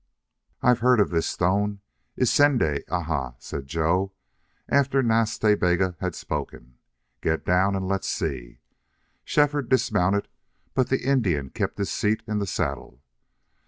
"I've heard of this stone Isende Aha," said Joe, after Nas Ta Bega had spoken. "Get down, and let's see." Shefford dismounted, but the Indian kept his seat in the saddle.